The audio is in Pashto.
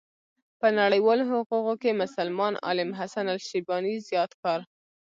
په نړيوالو حقوقو کې مسلمان عالم حسن الشيباني زيات کار